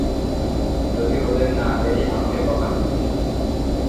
যদি ওদের না দেই, আমাকে বকা দিবে।